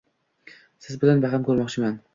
Siz bilan baham ko’rmoqchiman.